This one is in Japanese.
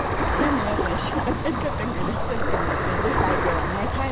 皆さん知らない方もいらっしゃるかもしれないんですけど。